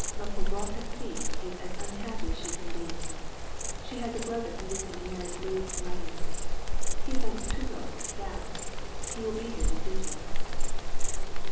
La pauvre petite is as ubhapp; as she can be.* She has a brother who recently married *Lia Meinen. He is on Kutuzof s staff. He will be h§i;^*'thi evening."